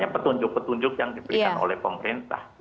petunjuk petunjuk yang diberikan oleh pemerintah